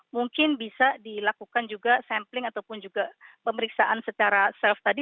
mungkin bisa dilakukan juga sampling ataupun juga pemeriksaan secara self tadi